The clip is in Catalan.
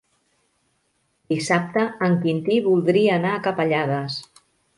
Dissabte en Quintí voldria anar a Capellades.